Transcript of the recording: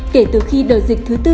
kể từ khi đợi dịch thứ tư